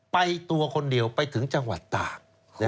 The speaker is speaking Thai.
ตัวคนเดียวไปถึงจังหวัดตาก